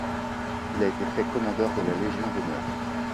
Il a été fait commandeur de la Légion d'Honneur.